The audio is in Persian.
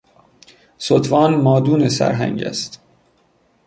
ستوان مادون سرهنگ است.